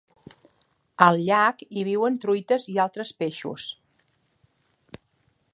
Al llac hi viuen truites i altres peixos.